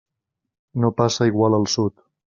No passa igual al Sud.